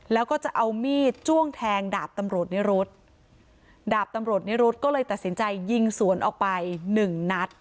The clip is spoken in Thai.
แล้วก็จะเอามีดจ้วงแทงดาบตำรวจนิรุธดาบตำรวจนิรุธก็เลยตัดสินใจยิงสวนออกไปหนึ่งนัด